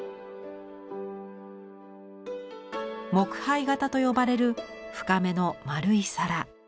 木盃形と呼ばれる深めの丸い皿。